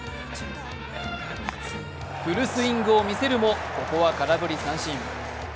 フルスイングを見せるもここは空振り三振。